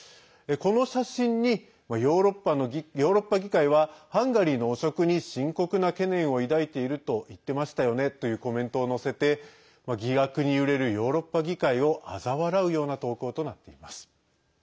この写真に、ヨーロッパ議会はハンガリーの汚職に深刻な懸念を抱いていると言ってましたよねというコメントを載せて疑惑に揺れるヨーロッパ議会をあざ笑うような投稿となっています。